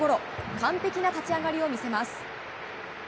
完璧な立ち上がりを見せます。